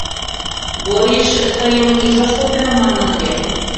— Бориш тыйым ӱжаш колтенам манын ыле!